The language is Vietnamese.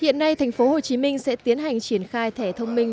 hiện nay tp hcm sẽ tiến hành triển khai thẻ thông minh